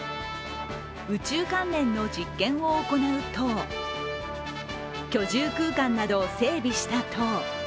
宇宙関連の実験を行う棟居住空間などを整備した棟。